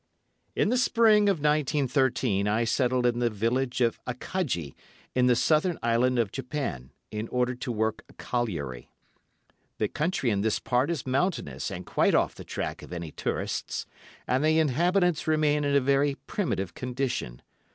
"In the spring of 1913, I settled in the village of Akaji, in the southern Island of Japan, in order to work a colliery. The country in this part is mountainous and quite off the track of any tourists, and the inhabitants remain in a very primitive condition.